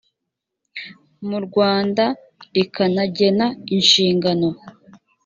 mu rwanda rikanagena inshingano